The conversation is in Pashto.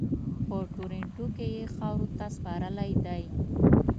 په ټورنټو کې یې خاورو ته سپارلی دی.